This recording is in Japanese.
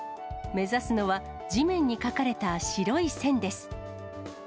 目指すのは、地面に書かれた白い線です。